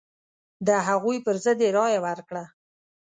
د هغوی پر ضد یې رايه ورکړه.